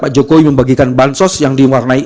pak jokowi membagikan ban sos yang diwarnai